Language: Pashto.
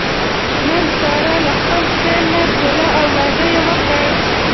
نن ساره له خپل سېل نه جلا او واده یې وکړ.